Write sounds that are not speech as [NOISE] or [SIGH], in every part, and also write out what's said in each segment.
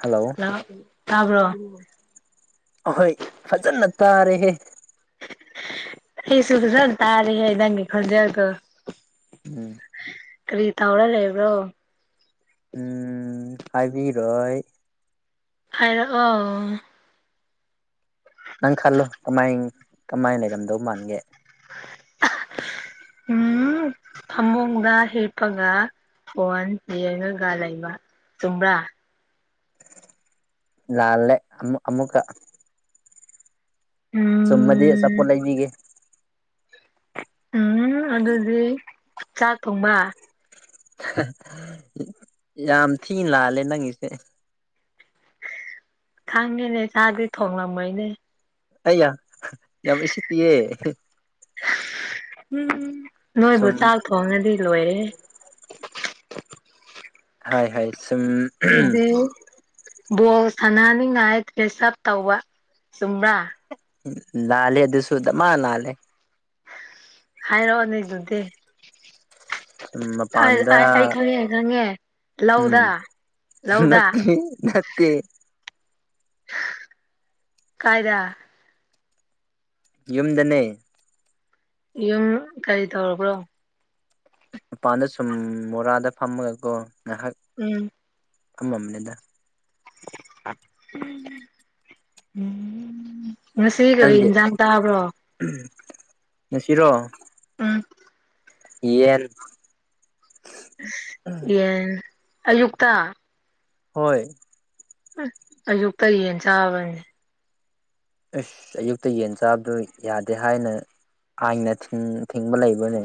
hello ꯇꯥꯕ꯭ꯔꯣ ꯑꯍꯣꯏ ꯐꯖꯅ ꯇꯥꯔꯦꯍꯦ ꯑꯩꯁꯨ ꯐꯖꯟ ꯇꯥꯔꯦꯍꯦ ꯅꯪꯒꯤ ꯈꯣꯟꯖꯦꯜꯗꯣ ꯎꯝ ꯀꯔꯤ ꯇꯧꯔ ꯂꯩꯕ꯭ꯔꯣ ꯎꯝ ꯍꯥꯏꯕꯤꯔꯣꯏ ꯍꯥꯏꯔꯛꯑꯣ ꯅꯪ ꯈꯜꯂꯣ ꯀꯃꯥꯏ ꯀꯃꯥꯏ ꯂꯩꯔꯝꯗꯧ ꯃꯥꯟꯒꯦ ꯎꯝ ꯐꯃꯨꯡꯗ ꯍꯤꯞꯄꯒ ꯐꯣꯟ ꯌꯦꯉꯒ ꯂꯩꯕ ꯆꯨꯝꯕ꯭ꯔꯥ ꯂꯥꯜꯂꯦ ꯑꯃꯨꯛ ꯑꯃꯨꯛꯀ ꯆꯨꯝꯃꯗꯤ ꯎꯝ ꯑꯆꯥꯄꯣꯠ ꯂꯩꯕꯤꯒꯦ ꯎꯝ ꯑꯗꯨꯗꯤ ꯆꯥꯛ ꯊꯣꯡꯕ ꯌꯥꯝ ꯊꯤꯅ ꯂꯥꯜꯂꯦ ꯅꯪꯒꯤꯁꯦ ꯈꯪꯉꯦꯅꯦ ꯆꯥꯗꯤ ꯊꯣꯡꯂꯝꯃꯣꯏꯅꯦ ꯑꯌꯥ ꯌꯥꯝ ꯎꯁꯤꯠꯇꯤꯌꯦ ꯎꯝ ꯅꯣꯏꯕꯨ ꯁꯨꯝ ꯆꯥꯛ ꯊꯣꯡꯉꯗꯤ ꯂꯣꯏꯔꯦꯍꯦ [INAUDIBLE] ꯍꯥꯏ ꯍꯥꯏ ꯁꯨꯝ ꯕꯣꯜ ꯁꯥꯟꯅꯅꯤꯡꯉꯥꯏ ꯗ꯭ꯔꯦꯁꯞ ꯇꯧꯕ ꯆꯨꯝꯕ꯭ꯔꯥ ꯂꯂꯦ ꯑꯗꯨꯁꯨꯗ ꯃꯥ ꯂꯦ ꯍꯥꯏꯔꯛꯑꯣꯅꯦ ꯑꯗꯨꯗꯤ ꯁꯨꯝ ꯃꯄꯥꯟꯗ ꯑꯩ ꯈꯪꯉꯦ ꯑꯩ ꯈꯪꯉꯦ ꯎꯝ ꯂꯧꯗ ꯂꯧꯗ ꯅꯠꯇꯦ ꯅꯠꯇꯦ ꯀꯥꯏꯗ ꯌꯨꯝꯗꯅꯦ ꯌꯨꯝ ꯀꯔꯤ ꯇꯧꯔꯕ꯭ꯔꯣ ꯃꯄꯥꯟꯗ ꯁꯨꯝ ꯃꯣꯔꯥꯗ ꯐꯝꯃꯒꯀꯣ ꯎꯝ ꯑꯃꯝꯅꯦꯗ ꯎꯝ ꯉꯁꯤ ꯀꯔꯤ ꯏꯟꯖꯥꯥꯡ ꯇꯥꯕ꯭ꯔꯣ ꯅꯁꯤꯔꯣ [INAUDIBLE] ꯌꯦꯟ ꯌꯦꯟ ꯑꯌꯨꯛꯇꯛꯇ ꯍꯣꯏ ꯑꯌꯨꯛꯇ ꯌꯦꯟ ꯆꯥꯕꯅꯦ ꯑꯁ ꯑꯌꯨꯛꯇ ꯌꯦꯟ ꯆꯥꯕꯗꯨ ꯌꯥꯗꯦ ꯍꯥꯏꯅ ꯑꯥꯏꯅ ꯊꯤꯡꯕ ꯂꯩꯕꯅꯦ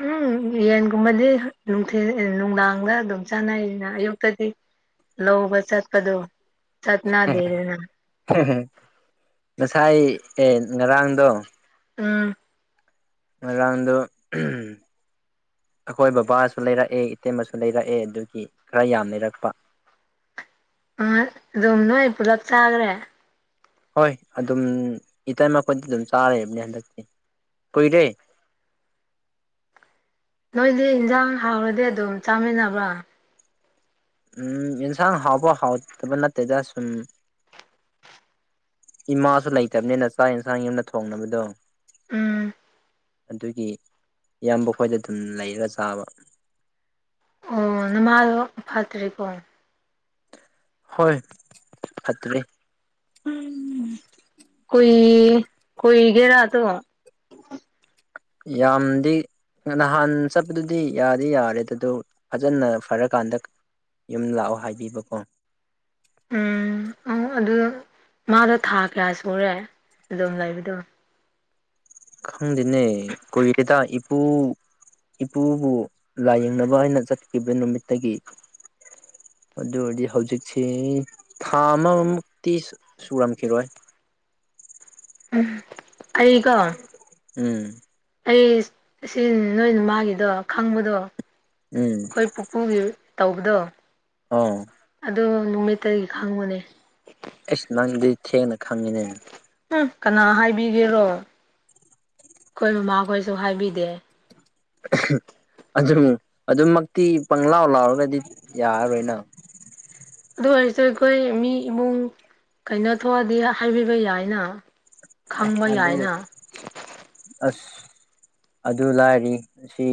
ꯎꯝ ꯎꯝ ꯌꯦꯟꯒꯨꯝꯕꯗꯤꯅꯨꯡꯊꯤ ꯅꯨꯡꯗꯥꯡꯗ ꯑꯗꯨꯝ ꯆꯥꯅꯩꯅ ꯑꯌꯨꯛꯇꯗꯤ ꯂꯎꯕ ꯆꯠꯄꯗꯣ ꯆꯠꯅꯥ ꯗꯗꯅ ꯉꯁꯥꯏ ꯑꯦ ꯉꯔꯥꯡꯗꯣ ꯑꯥ ꯑꯗꯗꯨ ꯑꯩꯈꯣꯏ ꯕꯕꯥꯁꯨ ꯂꯩꯔꯛꯑꯦ ꯏꯇꯦꯝ ꯑꯃꯁꯁꯨ ꯂꯩꯔꯛꯑꯦ ꯑꯗꯨꯒꯤ ꯈꯔ ꯌꯥꯝ ꯂꯩꯔꯛꯄ ꯑ ꯑꯗꯨꯣꯝꯅ ꯑꯩ ꯄꯨꯂꯞ ꯆꯥꯈ꯭ꯔꯦ ꯍꯣꯏ ꯑꯗꯨꯝ ꯏꯇ ꯃꯈꯣꯏꯗꯤ ꯑꯗꯨꯝ ꯆꯥꯔꯕꯅꯦ ꯍꯟꯗꯛꯇꯤ ꯀꯣꯏꯔꯦ ꯅꯣꯏꯗꯤ ꯏꯟꯁꯥꯡ ꯍꯥꯎꯔꯗꯤ ꯑꯗꯨꯝ ꯆꯥꯃꯤꯟꯅꯕ꯭ꯔꯥ ꯎꯝ ꯏꯟꯁꯥꯡ ꯍꯥꯎꯕ ꯍꯥꯎꯇꯕ ꯅꯠꯇꯦꯗ ꯁꯨꯝ ꯏꯃꯥꯁꯨ ꯂꯩꯇꯕꯅꯤꯅ ꯆꯥꯛ ꯌꯦꯟꯁꯥꯡ ꯌꯨꯝꯅ ꯊꯣꯡꯅꯕꯗꯣ ꯎꯝ ꯑꯗꯨꯒꯤ ꯏꯌꯥꯝꯕ ꯑꯩꯣꯏꯗ ꯑꯗꯨꯝ ꯂꯩꯔꯒ ꯆꯥꯕ ꯑꯣ ꯅꯝꯃ ꯄꯠꯇꯔꯀꯣ ꯍꯣꯏ ꯐꯠꯇꯔꯤꯦ ꯎꯝ ꯀ ꯀꯒꯦꯔꯥꯠꯇꯣ ꯌꯥꯝꯗꯤ ꯅꯍꯥꯟ ꯆꯠꯄꯗꯨꯗꯤ ꯌꯥꯗꯤ ꯌꯥꯔꯦ ꯑꯗꯨ ꯑꯗꯨ ꯐꯖꯅ ꯐꯔꯀꯥꯟꯗ ꯌꯨꯝ ꯂꯥꯛꯑꯣ ꯍꯥꯏꯕꯤꯕꯀꯣ ꯎꯝ ꯑꯪ ꯑꯗꯨ ꯃꯥꯗꯣ ꯊꯥ ꯀꯌꯥ ꯁꯨꯔꯦ ꯑꯗꯨꯝ ꯂꯩꯕꯗꯣ ꯈꯪꯗꯦꯅꯦ ꯀꯣꯏꯦꯗ ꯏꯄꯨ ꯏꯄꯨꯕꯨ ꯂꯥꯏꯌꯦꯡꯅꯕ ꯍꯥꯏꯩꯅ ꯆꯠꯈꯤꯕ ꯅꯨꯃꯤꯠꯇꯒꯤ [INAUDIBLE] ꯑꯗꯨ ꯑꯣꯏꯔꯗꯤ ꯍꯧꯖꯤꯛꯁꯤ ꯊꯥ ꯑꯃꯃꯨꯛꯇꯤ ꯁꯨꯔꯝꯈꯤꯔꯣꯏ ꯎꯝ ꯑꯩꯀꯣ ꯎꯝ ꯑꯩ ꯁꯤ ꯅꯣꯏꯅ ꯃꯥꯒꯤꯗꯣ ꯈꯪꯕꯗꯣ ꯎꯝ ꯑꯩꯈꯣꯏ ꯄꯨꯄꯨꯒꯤ ꯇꯧꯕꯗꯣ ꯑꯥ ꯑꯗꯨ ꯅꯨꯃꯤꯠꯇꯒꯤ ꯈꯪꯕꯅꯦ ꯑꯁ ꯅꯪꯗꯤ ꯊꯦꯡꯅ ꯈꯪꯉꯤꯅꯦ ꯎꯝ ꯀꯅꯥ ꯍꯥꯏꯕꯤꯒꯦꯔꯣ ꯑꯩꯈꯣꯏ ꯃꯃꯥꯈꯣꯏꯁꯨ ꯍꯥꯏꯕꯤꯗꯦ [UNINTELLIGIBLE] ꯑꯗꯨꯝ ꯑꯗꯨꯝꯃꯛꯇꯤ ꯄꯪꯂ ꯂꯥꯎ ꯂꯥꯎꯔꯒꯗꯤ ꯌꯥꯔꯔꯣꯏꯅ ꯑ ꯑꯗꯨ ꯑꯣꯏꯔꯁꯨ ꯑꯩꯈꯣꯏ ꯃꯤ ꯏꯃꯨꯡ ꯀꯩꯅꯣ ꯊꯣꯛꯑꯗꯤ ꯍꯥꯏꯕꯤꯕ ꯌꯥꯏꯅ ꯑꯦ ꯈꯪꯕ ꯑꯗꯨ ꯑꯗꯨ ꯌꯥꯏꯅ ꯑꯁ ꯑꯗꯨ ꯂꯥꯏꯔꯤ ꯑꯁꯤ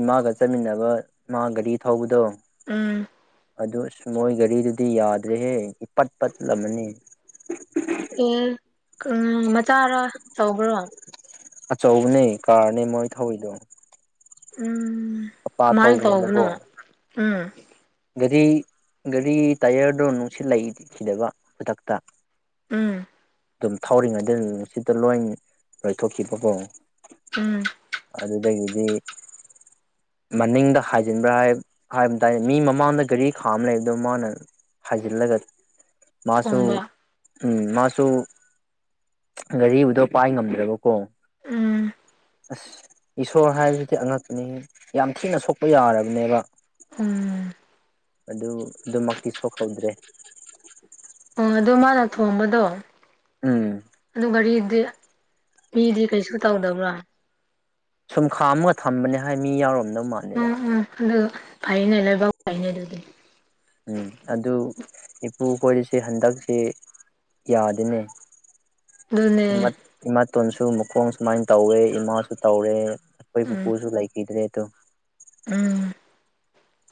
ꯏꯃꯥꯒ ꯆꯠꯃꯤꯟꯅꯕ ꯃꯥ ꯒꯥꯔꯤ ꯊꯧꯕꯗꯣ ꯑꯝ ꯑꯗꯨꯗ ꯑꯁ ꯃꯣꯏ ꯒꯥꯔꯤꯗꯨꯗꯤ ꯌꯥꯗ꯭ꯔꯦꯍꯦ ꯏꯄꯠ ꯄꯠꯂꯝꯃꯅꯤ ꯑꯦ ꯎ ꯃꯆꯥꯔ ꯇꯧꯕ꯭ꯔꯣ ꯑꯆꯧꯕꯅꯦ ꯀꯥꯔꯅꯦ ꯃꯣꯏ ꯊꯧꯑꯣꯏꯗꯣ ꯎꯝ ꯑꯄꯥ ꯀꯃꯥꯏꯅ ꯊꯧꯕꯅꯦꯕꯀꯣ ꯇꯧꯕꯅꯣ ꯎꯝ ꯒꯥꯔꯤ ꯒꯥꯔꯤ ꯇꯥꯏꯌꯔꯗꯣ ꯅꯨꯡꯁꯤꯠ ꯂꯩꯈꯤꯗꯕ ꯈꯨꯗꯛꯇ ꯎꯝ ꯑꯗꯨꯝ ꯊꯧꯔꯤꯉꯩꯗ ꯁꯤꯗ ꯂꯣꯏ ꯂꯣꯏꯊꯣꯛꯈꯤꯕꯐꯣ ꯎꯝ ꯑꯗꯨꯗꯒꯤꯗꯤ ꯃꯅꯤꯡꯗ ꯍꯥꯏꯖꯤꯟꯕ꯭ꯔꯥ ꯍꯥꯏ ꯍꯥꯏꯕ ꯇꯥꯏ ꯃꯤ ꯃꯃꯥꯡꯗ ꯒꯥꯔꯤ ꯈꯥ ꯑꯃ ꯂꯩꯕꯗꯣ ꯃꯥꯅ ꯍꯥꯏꯖꯤꯜꯂꯒ ꯃꯥꯁꯨ ꯊꯣꯡꯕ ꯎꯝ ꯃꯥꯁꯨ ꯒꯥꯔꯤꯕꯨꯗꯣ ꯄꯥꯏ ꯉꯝꯗ꯭ꯔꯕꯀꯣ ꯎꯝ ꯑꯁ ꯏꯁꯣꯔ ꯍꯥꯏꯕꯁꯤꯗꯤ ꯑꯉꯛꯅꯤ ꯌꯥꯝ ꯊꯤꯅ ꯁꯣꯛꯄ ꯌꯥꯔꯕꯅꯦꯕ ꯎꯝ ꯑꯗꯨ ꯑꯗꯨꯃꯛꯇꯤ ꯁꯣꯛꯍꯧꯗ꯭ꯔꯦ ꯑꯣ ꯑꯗꯨ ꯃꯥꯅ ꯊꯣꯡꯝꯕꯗꯣ ꯎꯝ ꯑꯗꯨ ꯒꯥꯔꯤꯗꯤ ꯃꯤꯗꯤ ꯀꯩꯁꯨ ꯇꯧꯗꯕ꯭ꯔꯥ ꯁꯨꯝꯈꯥ ꯑꯃꯒ ꯊꯝꯕꯅꯦ ꯍꯥꯏ ꯃꯤ ꯌꯥꯎꯔꯛ ꯎꯝ ꯎꯝ ꯑꯗꯨꯗ ꯐꯥꯏꯩꯅꯂ ꯏꯕ ꯐꯩꯅ ꯎꯝ ꯑꯗꯨ ꯏꯄꯨ ꯀꯣꯏꯔꯤꯁꯤꯦ ꯍꯟꯗꯛꯁꯤ ꯌꯥꯗꯅꯦ ꯑꯗꯨꯅꯦ ꯏꯃꯥꯇꯣꯟꯁꯨ ꯃꯈꯣꯡ ꯁꯨꯃꯥꯏꯅ ꯇꯧꯋꯦ ꯏꯃꯥꯁꯨ ꯇꯧꯔꯦ ꯑꯩꯈꯣꯏ ꯎꯝ ꯄꯄꯨꯁꯨ ꯂꯥꯏ ꯀꯗ꯭ꯔꯦ ꯇ ꯎꯝ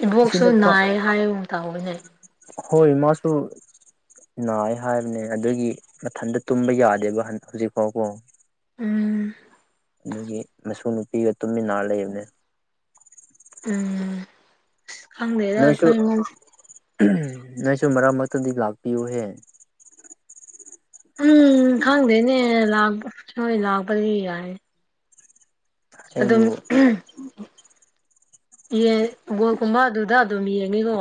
ꯏꯕꯣꯛꯁꯨ ꯁꯤꯗ ꯅꯥꯏ ꯍꯥꯏ ꯇꯥꯎꯕꯅꯦ ꯍꯣꯏ ꯃꯥꯁꯨ ꯅꯥꯏ ꯍꯥꯏꯕꯅꯦ ꯑꯗꯨꯒꯤ ꯃꯊꯟꯇ ꯇꯨꯝꯕ ꯌꯥꯗꯦꯕ ꯍꯧꯖꯤꯛ ꯐꯥꯎꯕꯣ ꯎꯝ ꯑꯗꯨꯒꯤ ꯃꯁꯨ ꯅꯨꯄꯤꯒ ꯇꯨꯃꯤꯟꯅꯔ ꯂꯩꯕꯅꯦ ꯎꯝ ꯈꯪꯗꯗ ꯅꯪꯁꯨ ꯃꯔꯛ ꯃꯔꯛꯇꯗꯤ ꯂꯥꯛꯄꯤꯌꯨꯍꯦ ꯎꯝ ꯈꯪꯗꯦꯅꯦ ꯁꯣꯏ ꯂꯥꯛꯄꯗꯤ ꯌꯥꯔꯅꯤ ꯑꯗꯨꯝ ꯑꯩꯕꯨ ꯌꯦ ꯕꯣꯜ ꯀꯨꯝꯕ ꯑꯗꯨꯗ ꯑꯗꯨꯝ ꯌꯦꯡꯉꯤꯀꯣ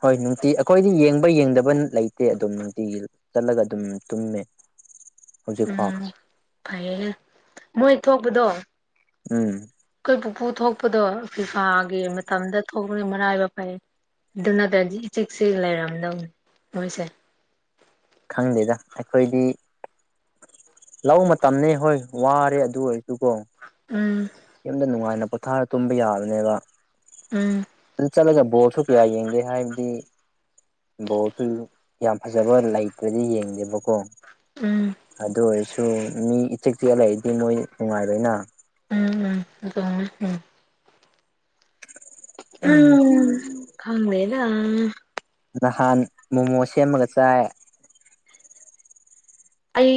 ꯍꯣꯏ ꯅꯨꯡꯇꯤ ꯑꯩꯈꯣꯏꯗꯤ ꯌꯦꯡꯕ ꯌꯦꯡꯗꯕ ꯂꯩꯇꯦ ꯑꯗꯨꯝ ꯅꯨꯡꯇꯤꯒꯤ ꯆꯠꯂꯒ ꯑꯗꯨꯝ ꯇꯨꯝꯃꯦ ꯍꯧꯖꯤꯛꯐꯥꯎ ꯎꯝ ꯐꯩꯌꯦ ꯃꯣꯏ ꯊꯣꯛꯄꯗꯣ ꯎꯝ ꯎꯄꯨ ꯊꯣꯛꯄꯗꯣ ꯀꯤꯀꯥꯒꯤ ꯃꯇꯝꯗ ꯊꯣꯛꯄꯒꯤ ꯃꯔꯅꯥꯏꯕ ꯐꯩ ꯑꯗꯨ ꯅꯠꯇ꯭ꯔꯗꯤ ꯏꯆꯤꯛꯁꯤ ꯂꯩꯔꯝꯗꯧꯅꯤ ꯃꯣꯏꯁꯦ ꯈꯪꯗꯦꯗ ꯑꯩꯈꯣꯏꯗꯤ ꯂꯧ ꯃꯇꯝꯅꯦ ꯍꯣꯏ ꯋꯥꯔꯦ ꯑꯗꯨ ꯑꯣꯏꯔꯁ ꯑꯗꯨꯀꯣ ꯎꯝ ꯌꯨꯝꯗ ꯅꯨꯡꯉꯥꯏꯅ ꯄꯣꯊꯥꯔ ꯇꯨꯝꯕ ꯌꯥꯕꯅꯦꯕ ꯎꯝ ꯆꯂꯦꯒ [UNINTELLIGIBLE] ꯍꯥꯏ ꯕꯣꯜꯁꯨ ꯌꯥꯝ ꯐꯖꯕ ꯂꯩꯇ꯭ꯔꯗꯤ ꯌꯦꯡꯗꯦꯕꯀꯣ ꯎꯝ ꯑꯗꯨ ꯑꯣꯏꯔꯁꯨ ꯃꯤ ꯏꯆꯦꯛ ꯆꯤꯛꯑꯂꯏꯗꯤ ꯃꯣꯏ ꯅꯨꯡꯉꯥꯏꯕꯅ ꯎꯝ ꯎꯝ ꯑꯗꯨꯃꯦ ꯎꯝ ꯎꯝ ꯀꯝꯣꯏꯗ ꯅꯍꯥꯟ ꯃꯣꯃꯣ ꯁꯦꯝꯃꯒ ꯆꯥꯏ ꯑꯩ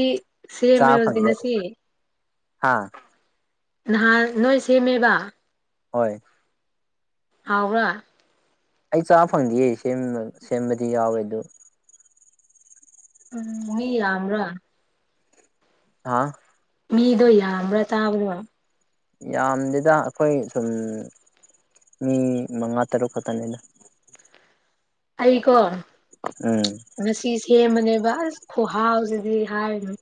ꯁꯦꯝꯃꯤꯔꯖꯤ ꯉꯁꯤ ꯍꯥꯥ ꯅꯍꯥꯟ ꯅꯣꯏ ꯁꯦꯝꯃꯦꯕ ꯍꯣꯏ ꯍꯧꯥꯎ ꯑꯩ ꯆꯥꯕ ꯐꯪꯗꯌꯦ ꯁꯦꯝꯕꯗꯤ ꯌꯥꯎꯋꯦ ꯑꯗꯨ ꯎ ꯍ ꯑꯃꯔ ꯍꯥꯥ ꯃꯤꯗꯣ ꯌꯥꯝꯕ꯭ꯔꯥ ꯇꯥꯕꯗ ꯌꯥꯝꯗꯦꯗ ꯑꯩꯈꯣꯏ ꯁꯨꯝ ꯃꯤ ꯃꯉꯥ ꯇꯔꯨꯛ ꯈꯛꯇꯅꯦꯗ ꯑꯩꯀꯣ ꯉꯁꯤ ꯁꯦꯝꯕꯅꯦꯕ ꯑꯁ ꯈꯍꯥꯎꯁꯤꯗꯤ ꯍꯥꯏꯔꯤꯅꯨ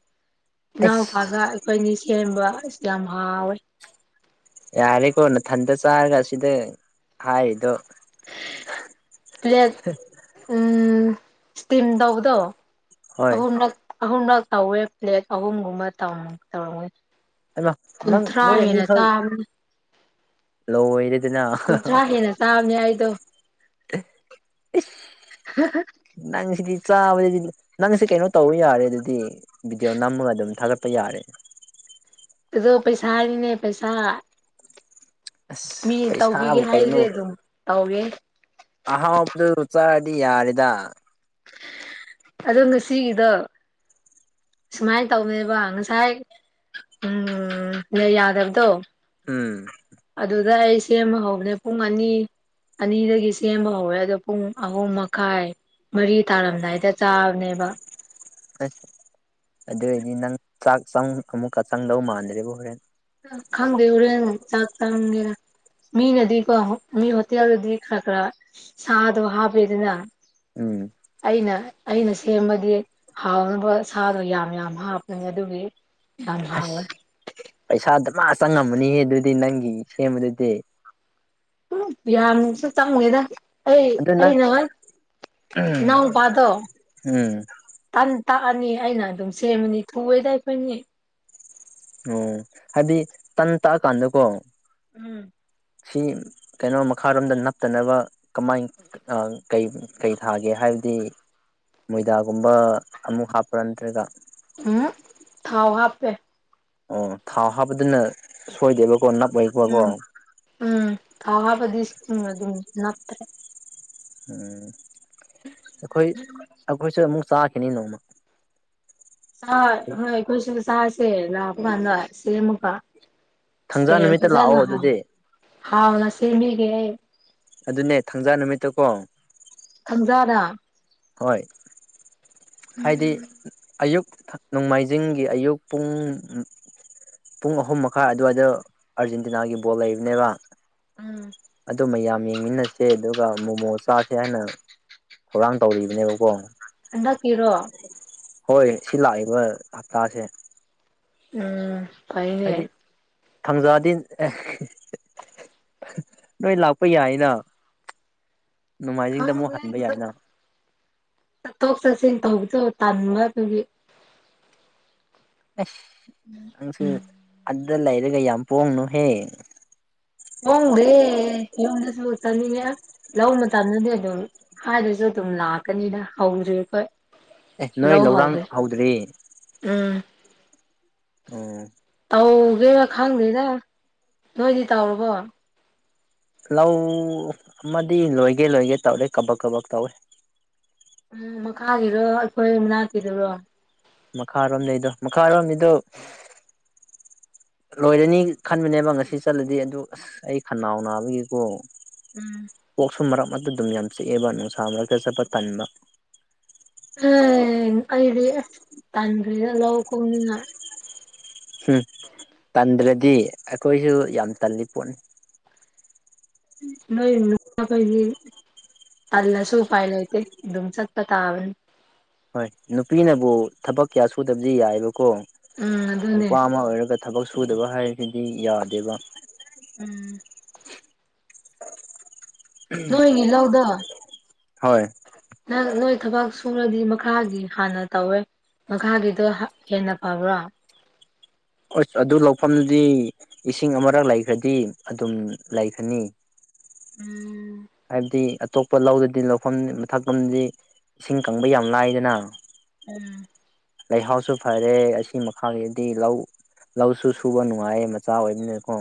ꯑꯩꯁ ꯏꯅꯥꯎꯄꯥꯒ ꯑꯩꯈꯣꯏ ꯑꯅꯤ ꯁꯦꯝꯕ ꯌꯥꯝ ꯍꯥꯎꯋꯦ ꯌꯥꯔꯦꯀꯣ ꯅꯊꯟꯗ ꯆꯥꯔꯒ ꯑꯁꯤꯗ ꯍꯥꯏꯗꯣ ꯄ꯭ꯂꯦꯠ ꯎꯝ ꯏꯁꯇꯤꯝ ꯇꯧꯕꯗꯣ ꯍꯣꯏ ꯑꯍꯨꯝꯂꯛ ꯑꯍꯨꯝꯂꯛ ꯇꯧꯋꯦ ꯄ꯭ꯂꯦꯦꯛ ꯑꯍꯨꯝꯒꯨꯝꯕ ꯍꯥꯏꯃ ꯅꯪ ꯀꯨꯟꯊ꯭ꯔꯥ ꯍꯦꯟꯅ ꯇꯥꯕꯅꯦ ꯂꯗꯤ ꯀꯨꯟꯊ꯭ꯔꯥ ꯍꯦꯟꯅ ꯆꯥꯕꯅꯦ ꯑꯩꯗꯣ ꯅꯪꯁꯤꯗꯤ ꯆꯥꯕꯗꯗꯤ ꯅꯪꯁꯦ ꯀꯩꯅꯣ ꯇꯧꯕ ꯌꯥꯔꯦ ꯑꯗꯨꯗꯤ ꯚꯤꯗꯤꯑꯣ ꯅꯝꯃꯒ ꯑꯗꯨꯝ ꯊꯥꯒꯠ ꯄ ꯌꯥꯔꯦ ꯄꯩꯁꯥ ꯍꯥꯏꯔꯤꯅꯦ ꯄꯩꯁꯥ ꯃꯤ ꯑꯁ ꯄꯩꯁꯥꯕꯨ ꯇꯧꯕꯤꯒꯦ ꯀꯩꯩꯅꯣ ꯍꯥꯏꯔꯗꯤ ꯑꯗꯨꯝ ꯇꯧꯒꯦ ꯑꯍꯥꯎꯗꯨ ꯆꯔꯗꯤ ꯌꯥꯔꯦꯗ ꯑꯗꯣ ꯉꯁꯤꯒꯤꯗꯣ ꯁꯨꯃꯥꯏꯅ ꯇꯧꯅꯦꯕ ꯉꯁꯥꯏ ꯎ ꯌꯥꯗꯕꯗꯣ ꯎꯝ ꯑꯗꯨꯗ ꯑꯩ ꯁꯦꯝꯃꯍꯧꯕꯅꯦ ꯄꯨꯡ ꯑꯅꯤ ꯑꯅꯤꯗꯒꯤ ꯁꯦꯝꯕ ꯍꯧꯋꯦ ꯑꯗꯣ ꯄꯨꯡ ꯑꯍꯨꯝ ꯃꯈꯥꯏ ꯃꯔꯤ ꯇꯥꯔꯝꯗꯥꯏꯗ ꯆꯥꯕꯅꯦꯕ ꯑꯁ ꯑꯗꯨ ꯑꯣꯏꯔꯗꯤ ꯅꯪ ꯆꯥꯛ ꯑꯃꯨꯛꯀ ꯆꯪꯗꯧ ꯃꯥꯟꯗ꯭ꯔꯦꯕ ꯍꯣꯔꯦꯟ ꯈꯪꯗꯦ ꯎꯔꯦ ꯆ ꯇꯔꯒꯦ ꯃꯤꯅꯗꯤꯀꯣ ꯃꯤ ꯍꯣꯇꯦꯜꯗꯗꯤ ꯈꯔ ꯈꯔ ꯁꯥꯗꯣ ꯍꯥꯞꯄꯗꯅ ꯎꯝ ꯑꯩꯅ ꯑꯩꯅ ꯁꯦꯝꯕꯗꯤ ꯍꯥꯎꯅꯕ ꯁꯥꯗꯣ ꯌꯥꯝ ꯌꯥꯝ ꯍꯥꯞꯄꯅꯤ ꯑꯗꯨꯒꯤ ꯌꯥꯝ ꯑꯁ ꯍꯥꯎꯋꯦ ꯄꯩꯁꯥꯗ ꯃꯥ ꯆꯪꯉꯝꯃꯅꯤꯍꯦ ꯑꯗꯨꯗꯤ ꯅꯪꯒꯤ ꯁꯦꯝꯕꯗꯨꯗꯤ ꯎꯝ ꯌꯥꯝꯁꯨ ꯆꯝꯉꯉꯦꯗ ꯑꯩ ꯑꯗꯨ ꯑ ꯅꯪ ꯅ ꯅꯅꯥꯎ ꯄꯗꯣ ꯎꯝ ꯇꯥꯟ ꯇꯥꯛꯑꯅꯤ ꯑꯩꯅ ꯑꯗꯨꯝ ꯁꯦꯝꯃꯤꯅꯤ ꯊꯨꯑꯦꯗ ꯑꯩꯈꯣꯏꯅꯤ ꯑꯣꯝ ꯍꯥꯏꯗꯤ ꯇꯟ ꯇꯥꯛꯑꯀꯥꯟꯗꯀꯣ ꯎꯝ ꯁꯤ ꯀꯩꯅꯣ ꯃꯈꯥꯔꯣꯝꯗ ꯅꯞꯇꯅꯕ ꯀꯃꯥꯏ ꯀꯩ ꯊꯥꯒꯦ ꯍꯥꯏꯕ ꯑꯗꯨꯗꯤ ꯃꯣꯏꯗꯥꯒꯨꯝꯕ ꯑꯃꯨꯛ ꯍꯥꯞꯄ ꯅꯠꯇ꯭ꯔꯦꯒ ꯎꯝ ꯊꯥꯎ ꯍꯥꯞꯄꯦ ꯑꯣ ꯊꯥꯎ ꯍꯥꯞꯄꯗꯨꯅ ꯁꯣꯏꯗꯦꯕꯀꯣ ꯅꯞ ꯑꯣꯏꯦꯛꯄꯀꯣ ꯗꯤ ꯑꯗꯨ ꯅꯠꯇ꯭ꯔ ꯎꯝ ꯑꯩꯈꯣꯏ ꯑꯩꯈꯣꯏꯁꯨ ꯑꯃꯨꯛ ꯆꯥꯈꯤꯅꯤ ꯅꯣꯡꯃ ꯆ ꯍꯣꯏ ꯀꯣꯏꯁ ꯆꯥꯁꯦ ꯂꯥꯛꯄ ꯀꯥꯟꯗꯁꯦꯃꯀ ꯊꯥꯡꯖꯥ ꯁꯦ ꯅꯨꯃꯤꯠꯇ ꯐꯖꯅ ꯂꯥꯛꯑꯣ ꯍꯥꯎ ꯑꯗꯨꯗꯤ ꯍꯥꯎꯅ ꯁꯦꯃꯤ ꯍꯒꯦ ꯑꯗꯨꯅꯦ ꯊꯥꯡꯖꯥ ꯅꯨꯃꯤꯠꯇ ꯀꯣ ꯈꯪꯖꯥꯔꯥ ꯍꯣꯏ ꯍꯥꯏꯗꯤ ꯑꯌꯨꯛ ꯅꯣꯡꯃꯥꯏꯖꯤꯡꯒꯤ ꯑꯌꯨꯛ ꯄꯨꯡ ꯄꯨꯡ ꯑꯍꯨꯝ ꯃꯈꯥꯏ ꯑꯗꯨꯋꯥꯏꯗ ꯑꯥꯔꯖꯦꯟꯇꯤꯅꯥꯒꯤ ꯕꯣꯜ ꯂꯩꯕꯅꯦꯕ ꯑꯝ ꯑꯗꯨ ꯃꯌꯥꯝ ꯌꯦꯡꯃꯤꯟꯅꯁꯦ ꯑꯗꯨꯒ ꯃꯣꯃꯣ ꯆꯥꯁꯦ ꯍꯥꯏꯅ ꯊꯧꯔꯥꯡ ꯇꯧꯔꯤꯕꯅꯦꯕꯀꯣ ꯑꯦꯗ ꯀꯔꯣ ꯍꯣꯏ ꯁꯤ ꯂꯥꯛꯏꯕ ꯍꯞꯇꯥꯁꯦ ꯎꯝ ꯐꯌꯦ ꯊꯝꯖꯥꯗꯤꯟ ꯅꯣꯏ ꯂꯥꯛꯄ ꯌꯥꯏꯅ ꯅꯣꯡꯃꯥꯏꯖꯤꯡꯗ ꯑꯃꯨꯛ ꯍꯟꯕ ꯌꯥꯏꯅ ꯊꯞ ꯆꯁꯦ ꯊꯧꯗꯣ ꯇꯟ ꯑꯗꯨꯒꯤ ꯑꯁ ꯅꯪꯁꯨ ꯑꯗꯨꯗ ꯂꯩꯔꯒ ꯌꯥꯝ ꯄꯣꯡꯅꯨ ꯍꯌꯦ ꯑꯣꯣꯡꯗꯦ ꯌꯦꯣꯟꯗꯁ ꯃꯠꯇꯅꯤꯉ ꯂ ꯃꯇꯝꯗꯗꯤ ꯑꯗꯨꯝ ꯍꯥꯏꯔꯁꯨ ꯑꯗꯨꯝ ꯂꯥꯛꯀꯅꯤꯗ ꯍꯧꯗ꯭ꯔꯤ ꯑꯩꯈꯣꯏ ꯑꯦ ꯅꯣꯏ ꯂꯎ ꯂꯧꯔꯥꯡ ꯍꯥꯎꯗꯦ ꯍꯧꯗ꯭ꯔꯤ ꯎꯝ ꯎꯝ ꯍꯧꯧꯒꯦꯅ ꯈꯪꯗꯦꯗ ꯅꯣꯏꯗꯤ ꯇꯥꯎꯔꯕꯣ ꯂꯧ ꯑꯃꯗꯤ ꯂꯣꯏꯒꯦ ꯂꯣꯏꯒꯦ ꯇꯧꯔꯦ ꯀꯕꯛ ꯀꯕꯛ ꯇꯧꯏꯦ ꯎꯝ ꯃꯈꯥꯒꯤꯔꯣ ꯑꯩꯈꯣꯏ ꯃꯅꯥꯛꯀꯤꯗꯨꯔꯣ ꯃꯈꯥꯔꯣꯝꯗꯩꯗꯣ ꯃꯈꯥꯔꯣꯝꯗꯨ ꯂꯣꯏꯔꯅꯤ ꯈꯟꯕꯅꯦꯕ ꯉꯁꯤ ꯆꯠꯂꯗꯤ ꯑꯗꯨ ꯑꯁ ꯑꯩ ꯈꯅꯥꯎ ꯅꯥꯕꯒꯤꯀꯣ ꯎꯝ ꯑꯨꯝ ꯃꯔꯛ ꯑꯃꯛꯇ ꯑꯗꯨꯝ ꯌꯥꯝ ꯆꯤꯛꯑꯦꯕ ꯅꯨꯡꯁꯥ ꯃꯔꯛꯇ ꯆꯠꯄ ꯇꯟꯕ ꯑ ꯑꯩꯗꯤ ꯇꯥꯟ ꯂ ꯀ ꯎꯝ ꯇꯟꯗ꯭ꯔꯗꯤ ꯑꯩꯈꯣꯏꯁꯨ ꯌꯥꯝ ꯇꯜꯂꯤ ꯄꯣꯠꯅꯤ ꯅꯣꯏ ꯅꯨꯄꯥꯒꯩꯒꯤ ꯑꯜꯂꯁꯨ ꯎꯄꯥꯌ ꯂꯩꯇꯦ ꯑꯗꯨꯝ ꯆꯠ ꯇꯥꯑꯅꯤ ꯍꯣꯏ ꯅꯨꯄꯤꯅꯕꯨ ꯊꯕꯛ ꯀꯌꯥ ꯁꯨꯗꯕꯗꯤ ꯌꯥꯏꯑꯕ ꯀꯣ ꯎꯝ ꯑꯗꯨꯅꯦ ꯅꯨꯄꯥ ꯑꯃ ꯑꯣꯏꯔꯒ ꯊꯕꯛ ꯁꯨꯗꯕ ꯍꯥꯏꯕꯁꯤꯗꯤ ꯌꯥꯗꯦꯕ ꯎꯝ ꯅꯣꯏ ꯂꯥꯎꯗ ꯍꯣꯏ ꯅ ꯅꯣꯏ ꯊꯕꯛ ꯁꯣꯂꯗꯤ ꯃꯈꯥꯒꯤ ꯍꯥꯟꯅ ꯇꯧꯋꯦ ꯃꯈꯥꯒꯤꯗꯣ ꯍꯦꯟꯅ ꯐꯕ꯭ꯔꯥ [UNINTELLIGIBLE] ꯑꯁ ꯑꯗꯨ ꯂꯧꯐꯝꯗꯨꯗꯤ ꯏꯁꯤꯡ ꯑꯃꯔꯛ ꯂꯩꯈ꯭ꯔꯗꯤ ꯑꯗꯨꯝ ꯂꯩꯈꯅꯤ ꯎꯝ ꯍꯥꯏꯕꯗꯤ ꯑꯇꯣꯞꯄ ꯂꯧꯗꯗꯤ ꯂꯧꯐꯝ ꯃꯊꯛꯐꯝꯗꯤ ꯏꯁꯤꯡ ꯀꯪꯕ ꯌꯥꯝ ꯂꯥꯏꯗꯅ ꯎꯝ ꯂꯩꯍꯥꯎꯁꯨ ꯐꯔꯦ ꯑꯁꯤ ꯃꯈꯥꯒꯤꯗꯤ ꯂꯧ ꯂꯧꯁꯨ ꯁꯨꯕ ꯅꯨꯡꯉꯥꯏꯌꯦ ꯃꯆꯥ ꯑꯣꯏꯕꯅꯤꯅꯀꯣ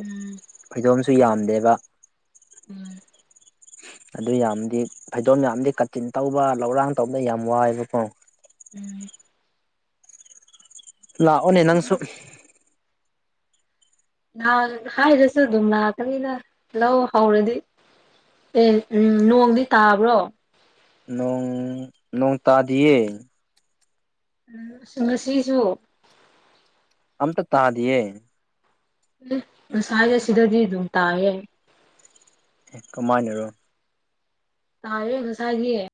ꯎꯝ ꯐꯩꯗꯣꯝꯁꯨ ꯌꯥꯝꯗꯦꯕ ꯎꯝ ꯑꯗꯨ ꯌꯥꯝꯗꯤ ꯐꯩꯗꯣꯝ ꯌꯥꯝꯗꯤ ꯀꯥꯆꯤꯟ ꯇꯧꯕ ꯂꯧꯔꯥꯡ ꯇꯧꯕꯗ ꯌꯥꯝ ꯋꯥꯏꯕꯀꯣ ꯎꯝ ꯂ ꯑꯣꯅꯦ ꯅꯪꯁꯨ ꯍꯥꯏꯔꯁꯨ ꯑꯗꯨꯝ ꯂꯥꯛꯀꯅꯤꯅ ꯂꯧ ꯍꯧꯔꯗꯤ ꯑꯦ ꯎꯝ ꯅꯣꯡꯗꯤ ꯇꯥꯕ꯭ꯔꯣ ꯅꯣꯡ ꯅꯣꯡ ꯇꯥꯗꯤꯌꯦ ꯑ ꯁꯃꯁꯤꯔꯤꯁꯨ ꯑꯇ ꯇꯥꯗꯤꯌꯦ ꯁꯥꯖ ꯁꯤꯗꯗꯤ ꯑꯗꯨ ꯇꯌꯦꯦ ꯀꯃꯅꯔ ꯇꯥꯔꯦ ꯉꯁꯥꯒꯤꯦ